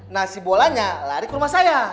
nah si bolanya lari ke rumah saya